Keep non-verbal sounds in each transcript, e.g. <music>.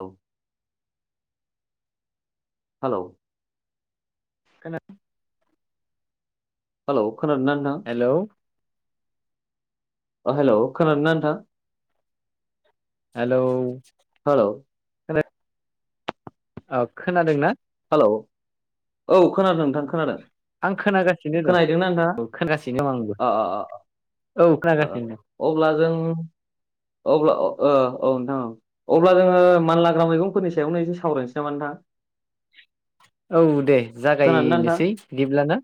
औ। हेलौ खोनाद हालौ खोनादों ना नोंथां? ओ हेलौ खोनादों ना नोंथां? हेलौ। हेलौ। खोनायाख ओ खोनादों ना। हेलौ औ खोनादों नोंथां। खोनादों आं खोनागासिनो दं खोनाहैदोंना नोंथाङा औ खोनागासिनो दं आंबो अ अ औ अ अ खोनागासिनो ओ ओ अब्ला जों अब्ला अ ओ औ नोंथां ओं अब्ला जोङो मानलाग्रा मैगंफोरनि सायावनो एसे सावरायनोसै नामा नोंथां? औ दे खोनादोंना नोंथां जागायनोसै बिदिब्लाना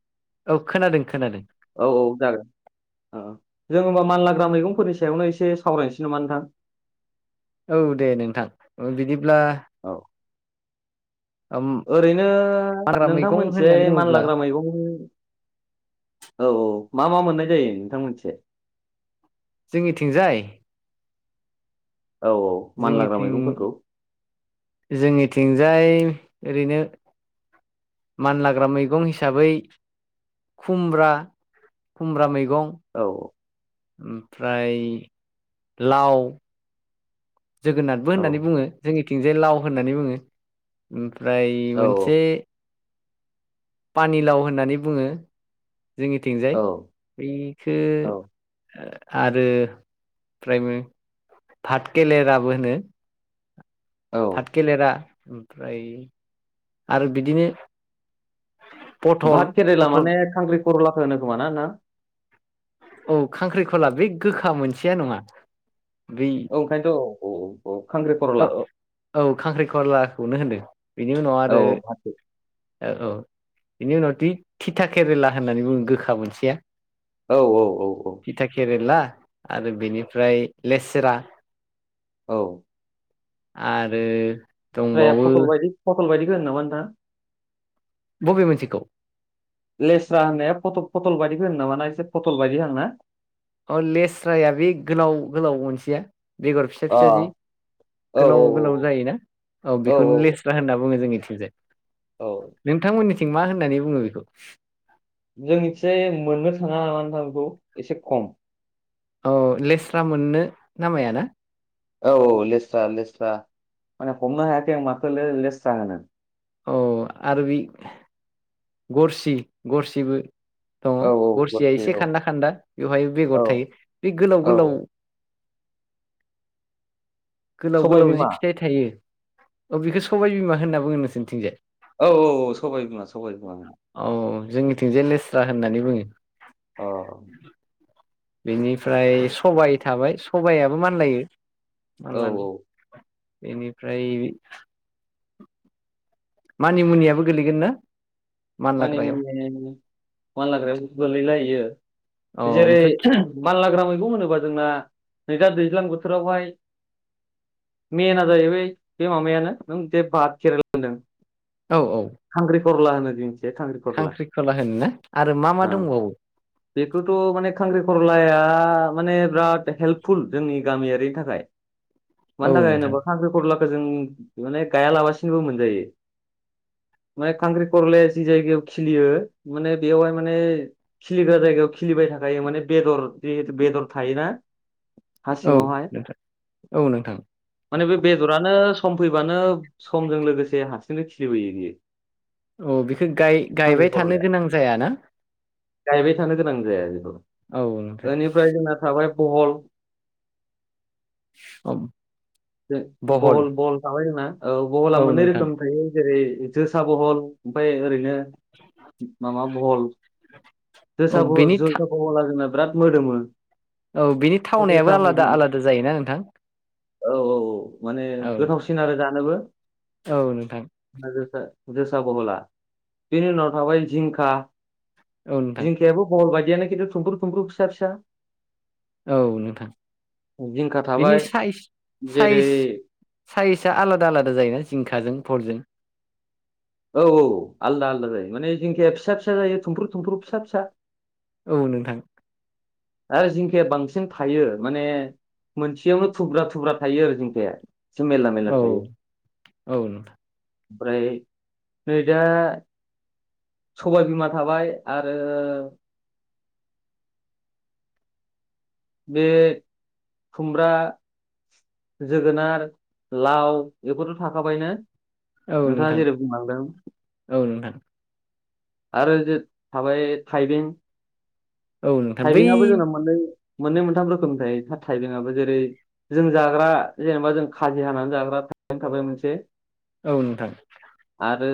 औ खोनादों खोनादों। औ औ जागोन ओ। ओ जों होमबा मानलाग्रा मैगंफोरनि सायावनो एसे सावरायनोसै नामा नोंथां? औ दे नोंथां ओ बिदिब्ला औ ओम ओरैनो हाग्रा नोंथां मैगं मोननिथिंजाय होननानै बुङोब्ला मानलाग्रा मैगंनि औ औ मा मा मोननाय जायो नोंथांमोननिथिंजाय? जोंनिथिंजाय औ औ मानलाग्रा जोंनिथिं मैगंफोरखौ जोंनिथिंजाय ओरैनो मानलाग्रा मैगं हिसाबै खुमब्रा खुमब्रा मैगं औ औ ओमफ्राय लाव जोगोनाथबो औ होननानै बुङो जोंनिथिंजाय लाव होननानै बुङो ओम ओमफ्राय औ औ। मोनसे पानिलाव होननानै बुङो। औ जोंनिथिंजाय बेखो‌ औ ओ आरो ओमफ्रायो फाटकेलेराबो होनो। औ फाथखेलेरा ओमफ्राय आरो बिदिनो पथल भात केरेला पथल माने खांख्रि खरलाखौ होनो खोमाना नोंथां? औ खांख्रि खला बे गोखा मोनसेया नङा बै औ ओंखायनोथ औ औ खांख्रि खरला औ औ औ खांख्रिखलाखौनो होनदों बेनि उनाव औ आरो औ भात के- औ औ बिनि उनाव दि थिथा केरेला होननानै बुङो गोखा मोनसेया औ औ औ औ थिथा केरेला आरो बिनिफ्राय लेस्रा औ आरो फ्राया दंबावो फटल बायदि फटल बायदिखौ होनो नामा नोंथां? बबे मोनसेखौ? लेस्रा होननाया फटल फटलबादिखौ होनो नामा ना एसे फटल बादि हांना? अ लेस्राया बे गोलाव गोलाव मोनसेया बेगर फिसा अ फिसा जि औ गोलाव गोलाव औ जायोना औ बेखौनो लेस्रा होनना बुङो जोंनिथिंजाय। औ नोंथांमोननिथिं मा होननानै बुङो बिखौ? जों एसे मोननो थाङा नामा नोंथां बेखौ एसे खम। औ लेस्रा मोननो नामाया ना? औ लेस्रा लेस्रा माने हमनो हायाखै आं माखोनो लेस्रा होनो? औ आरो बे गरसि गरसिबो दङ औ औ गरसिया गरसे एसे औ खान्दा खान्दा बेवहाय औ बेगर थायो बे गोलाव गोलाव औ गोलाव सबाय गोलाव जि बिमा फिथाइ थायो अ बेखौ सबाइ बिमा होनना बुङो नोंसोरनिथिंजाय? औ औ सबाइ बिमा सबाय बिमा ओं। औ जोंनिथिंजाय लेस्रा होननानै बुङो। अ बेनिफ्राय सबाइ थाबाय सबायाबो मानलायो औ मानलानो बेनिफ्राय <inaudible> मानि मुनियाबो गोलैगोन ना? मानि मानलाग्रायाव मुनि मानलाग्रायाव गोलैला इयो। औ जेरै ओमफ्राय खिफि मानलाग्रा मैगं होनोबा जोंना नैदा दैज्लां बोथोरावहाय मेेनआ जाहैबाय बे माबायानो नों जे‌ भाद खेरेला होनदों। औ औ। खर'ला होनो जोंनि खांख्रिखला होनोना आरो मा मा औ दंबावो? बेखौथ' माने खांख्रिखरलाया माने बिराद हेल्पफुल जोंनि गामियारिनि थाखाय औ मानो थाखाय नोंथां होनोबा खांख्रिखरला खो जों माने गायालाबासिनोबो मोनजायो माने खांख्रिखरले जि जायगायाव खिलियो माने बेवहाय माने खिलिग्रा जायगायाव खिलिबाय थाखायो माने बेदर जिहेतु बेदर थायो ना? औ नोंथां औ नोंथां। माने बे बेदरानो सम फैबानो समजों लोगोसे हारसिंनो खिलिबोयो बियो। औ बिखो गाय गायबाय थानो खांख्रिखरलाया गोनां जायाना? गायबाय थानो गोनां जाया बेखौ औ नोंथां ओनिफ्राय जोंना थाबाय बहल औ <inaudible> जे बहल बहल थाबाय जोंना। औ बहला औ मोननै नोंथां रोखोम थायो जेरै जोसा बहल ओमफाय ओरैनो माबा बहल जोसा औ बहल बेनि जोसा बहला जोंना राथ मोदोमो। औ बिनि जोसा थावनायाबो आलादा मैगं आलादा जायोना नोंथां? औ औ औ माने औ गोथावसिन आरो जानोबो औ नोंथां। जोसा जोसा बहला बेनि उनाव थाबाय जिंखा औ नोंथां जिंखायाबो बहल बादि दियानो खिन्थु थुमफ्रु थुमफ्रु फिसा फिसा। औ नोंथां जिंखा बिनि थाबाय साइस जेरै साइज साइसआ आलादा आलादा जायोना जिंखाजों भलजों? औ औ आलदा आलदा जायो माने जिंखिया फिसा फिसा जायो थुमफ्रु थुमफ्रु फिसा फिसा। औ नोंथां। आरो जिंखिया बांसिन थायो माने मोनसेयावनो थुब्रा थुब्रा थायो आरो जिंखाया। <unintelligible> मेरला मेरला औ थायो। औ नोंथां ओमफ्राय नै दा सबाय बिमा थाबाय आरो बे खुमब्रा जोगोनार लाव बेफोरथ' थाखाबायनो औ नोंथाङा नोंथां जेरै बुंलांदों औ नोंथां आरो थाबाय थाइबें औ नोंथां बै थाइबिंआबो जोंना मोननै मोननै मोनथाम रोखोमनि थायो था थाइबेंआबो जेरै जों जाग्रा जेनेबा जों खाजि हानानै जाग्रा <unintelligible> थाबाय मोनसे औ नोंथां आरो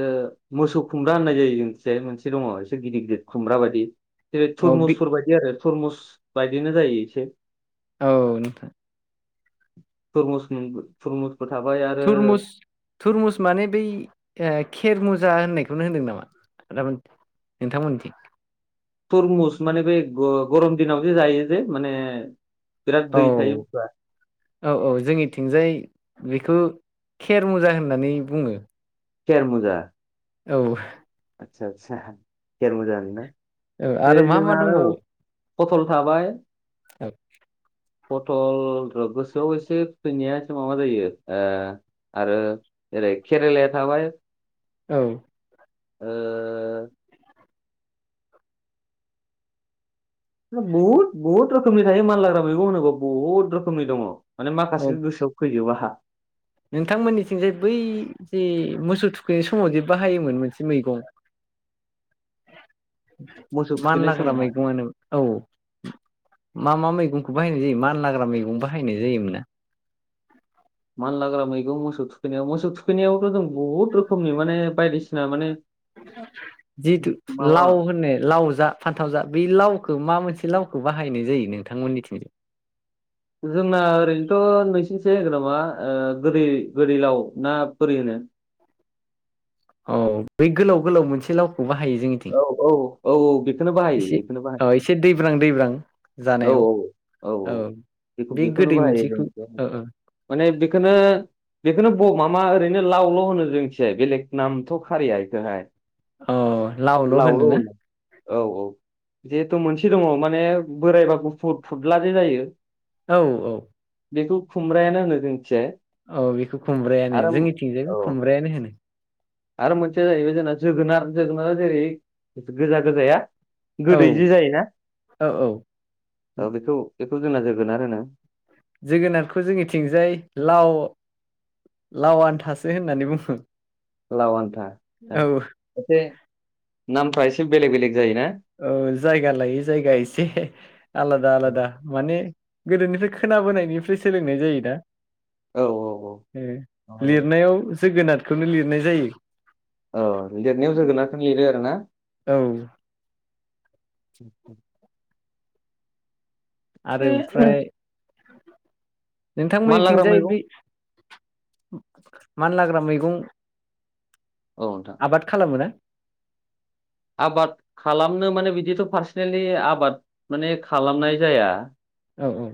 मोसौ खुमब्रा होननाय जायो जोंनिथिंजाय मोनसे दङ एसे गिदिर गिदिर खुमब्रा बायदि जेरै औ बे थुरमुसफोर बायदि आरो थुरमुस बायदिनो जायो एसे औ नोंथां <unintelligible> <inaudible> आरो थुरमुस थुरमुस माने बै खेरमुस <unintelligible> होननायखौनो होनदों नामा नोंथांमोननिथिं थुरमुस माने बे गरम दिनाव जे जायो जे माने बिराद औ दै थायो बुस्थुआ औ औ जोंनिथिंजाय बेखौ खेरमुजा होननानै बुङो खेरमुजा औ आदसा आदसा खेरमुजा औ आरो मा मा होनोना दंबावो <unintelligible> पथल थाबाय औ <unintelligible> पटल गोसोआव एसे फुैनाया एसे माबा जायो आरो ओरै केरेलाया थाबाय औ ओ बहुद बहुत रोखोमनि थायो मानलाग्रा मैगं होनांगौ बहुद रोखोमनि दङ। माने माखासे गोसोआव फैजोबो आंहा। नोंथांमोननिथिं जे बै जे मोसौ थुखैनाय समाव जे बाहायोमोन मोनसे मैगं <unintelligible> <inaudible> मोसौ थुखैनाय मानलाग्रा समावहाय मैगंआनो औ। मा मा मैगंखौ बाहायनाय जायो मान लाग्रा मैगं बाहायनाय जायोमोन ना? मानलाग्रा मैगं मोसौ थुखैनायाव मोसौ थुखैनायावथ' जों बुहुद रोखोमनि माने बायदिसिना माने जिथु माबा लाव होन लाव जा फान्थाव जा बे लावखौ मा मोनसे लावखौ बाहायनाय जायो नोंथांमोननिथिंजाय? जोंना ओरैनोथ' नोंसिनिसोगोन नामा गोदै गोदैलाव ना बोरै होनो? <unintelligible> <inaudible> औ बे गोलाव गोलाव मोनसे लाव खौबो हायो जोंनिथिं औ औ औ औ बेखौनो बाहायो एसे बेखौनो बाहायो औ एसे दैब्रां दैब्रां। औ जानायाव औ औ औ बेखौ बे बेखौनो गोदै बाहायो। मोनसेखौ औ औ माने बेखौनो बेखौनो नामा ओरैनो लावल' होनो जोंस बेलेग नामथ' खारिया बेखौहाय। औ लावल' होनो ना? औ औ जिहेथु मोनसे दङ माने बोरायबा गुफुर फुदला जे जायो। औ औ। बेखौ खुमब्रायानो होनो जोंनिथिंजाय। औ बेखौ खुमब्रायानो आरो जोंनिथिंजायखौ औ खुमब्रायानो होनो। आरो मोनसेया जाहैबाय जोंना जोगोनार जोगोनारा जेरै गोजा गोजाया औ गोदै जि जायोना औ औ <inaudible> औ बेखौ बेखौ जोंना जोगोनार होनो। जोगोनारखौ जोंनिथिंजाय लाव लाव आन्थासो होननानै बुङो। लाव आन्था ए, औ एसे नामफ्रा एसे बेलेग बेलेग जायोना औ जायगा लायो जायगा एसे आलादा आलादा माने गोदोनिफ्राय खोनाबोनायनिफ्राय सोलोंनाय जायो ना। औ <inaudible> ए औ औ लिरनायाव जोगोनारखौनो लिरनाय जायो। औ लिरनायाव जोगोनखौनो लिरबाय आरोना। औ उ आरो ओमफ्राय मानलाग्रा नोंथांमोननिथिंजाय मैगं बे <inaudible> मान लाग्रा मैगं औ नोंथां आबाद खालामो ना? आबाद खालामनो माने बिदिथ' पार्सनेलि आबाद माने खालामनाय जाया। औ औ।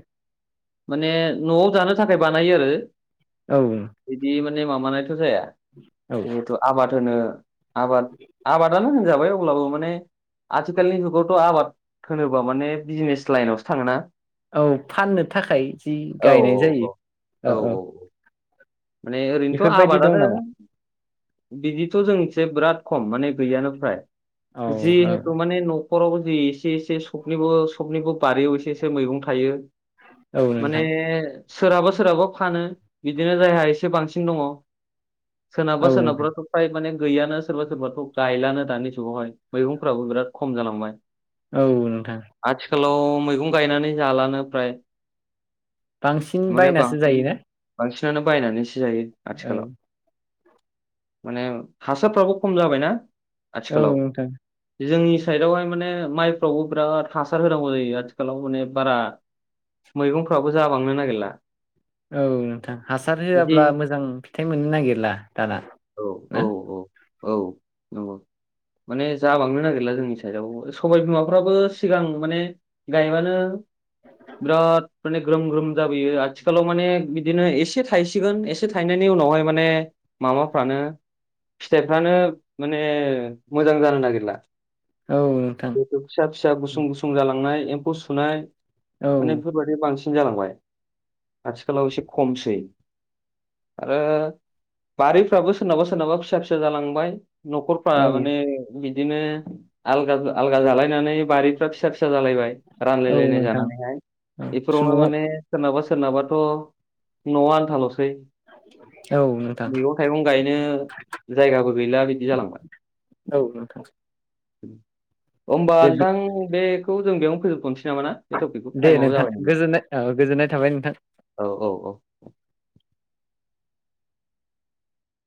माने न'आव जानो थाखाय बानायो आरो। औ। बिदि माबानायथ' जाया। औ जिहेथु आबाद होनो आबाद आबादानो होनजाबाय अब्लाबो माने आथिखालनि जुगावथ' आबाद होनोबा माने बिजनेस लाइनावसो थाङोना? औ फाननो थाखाय जि औ औ गायनाय जायो औ औ औ। माने ओरैनोथ' बेफोरबायदि दं आबादानो। नामा बिदिथ' जोंनिथिंजाय बिराद खम माने गैयानो फ्राय औ औ जिहेथु माने न' नख'रावबो ज एसे एसे सबनिबो सबनिबो बारियाव एसे एसे मैगं थायो। औ माने नोंथां सोरहाबा सोरहाबा फानो बिदिनो जायहा एसे बांसिन दङ। सोरनाबा औ नोंथां सोरनाबथ' फ्राय माने गैयानो सोरबा सोरबाथ' गायलानो दानि जुगावहाय मैगंफ्राबो बिराद खम जालांबाय। औ नोंथां। आथिखालाव मैगं गायनानै जालानो फ्राय बांसिन <inaudible> माने बायनासो बसि- जायोना बांसिनानो बायनानैसो जायो औ आथिखालाव माने हासारफ्राबो खम जाबायना औ आथिखालाव नोंथां। जोंनि साइदआवहाय माने माइफ्रावबो बिराद हासार होनांगौ जायो आथिखालाव माने बारा मैगंफ्राबो जाबांनो नागिरला। औ नोंथां हासार जि होआब्ला मोजां फिथाइ मोननो नागिरला दाना औ औ ना। औ औ नंगौ। माने जाबांनो नागिरला जोंनि साइडआव सबाय बिमाफ्राबो सिगां माने गायबानो बिराद माने ग्रोम ग्रोम जाबोयो आथिखालाव माने बि दिनो एसे थाइसिगोन एसे थायनायनि उनावहाय माने माबाफ्रानो फिथाइफ्रानो माने मोजां जानो नागिरला औ नोंथां <inaudible> जिहेथु फिसा फिसा गुसुं गुसुं जालांनाय एम्फौ सुनाय माने औ बेफोरबादि बांसिन जालांबाय। आथिखालाव एसे खमसै। आरो बारिफ्राबो सोरनाबा सोरनाबा फिसा फिसा जालांबाय। न'खरफ्रा औ माने बिदिनो आलगा आलगा जालायनानै बारिफ्रा फिसा फिसा जालायबाय औ रनाय नोंथां जानानै औ बेफोरावनो सुबुं मान सोरना सोरनाबाथ' न'आ आनथाल' सै, औ नोंथां मैगं थाइगं गायनो जायगाबो गैला बिदि जालांबाय। औ नोंथां। <inaudible> होमबा दे नोंथां बेखौ जों बेयावनो फोजोबथ'नो मोजां मोना बे टपिकखौ दे टाइमआबो नोंथां जाबायोदा। गोजोननाय औ गोजोननाय थाबाय नोंथां औ औ औ